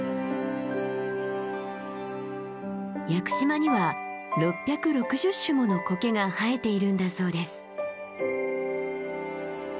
屋久島には６６０種もの苔が生えているんだそうです。